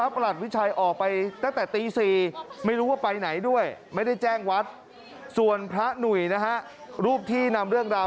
ไปไหนด้วยไม่ได้แจ้งวัดส่วนพระหนุ่ยรูปที่นำเรื่องราว